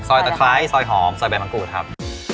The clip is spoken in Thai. ตะไคร้ซอยหอมซอยใบมะกรูดครับ